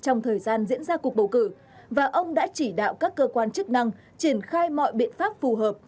trong thời gian diễn ra cuộc bầu cử và ông đã chỉ đạo các cơ quan chức năng triển khai mọi biện pháp phù hợp